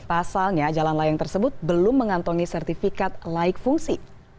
pasalnya jalan layang tersebut belum mengantongi sertifikat laik fungsi